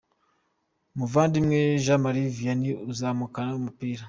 Muvandimwe Jean Marie Vianney azamukana umupira.